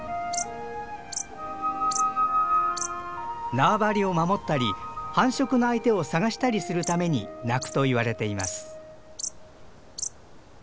縄張りを守ったり繁殖の相手を探したりするために鳴くと言われています。